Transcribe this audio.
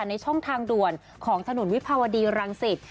ในช่องทางด่วนของถนนวิภาวดีรังสิต